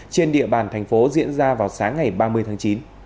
trên địa bàn thành phố diễn ra vào sáng ngày ba mươi tháng chín